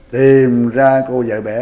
tìm ra cô vợ bé